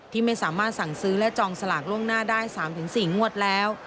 ที่ไม่สามารถสั่งซื้อและจองสลากล่วงหน้าได้๓๔งวดแล้ว